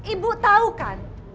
ibu tau kan